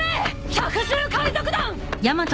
百獣海賊団！